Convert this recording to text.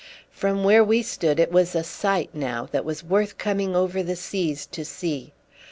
From where we stood it was a sight now that was worth coming over the seas to see.